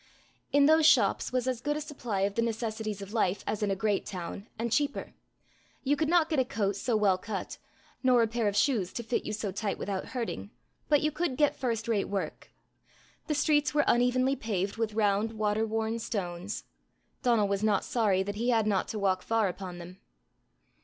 In those shops was as good a supply of the necessities of life as in a great town, and cheaper. You could not get a coat so well cut, nor a pair of shoes to fit you so tight without hurting, but you could get first rate work. The streets were unevenly paved with round, water worn stones: Donal was not sorry that he had not to walk far upon them.